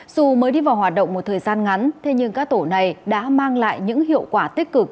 dù mới đi vào hoạt động một thời gian ngắn thế nhưng các tổ này đã mang lại những hiệu quả tích cực